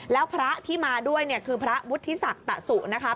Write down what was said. แล้วพระที่มาด้วยเนี่ยคือพระวุฒิศักดิ์ตะสุนะคะ